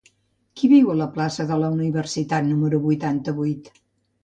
Qui viu a la plaça de la Universitat número vuitanta-vuit?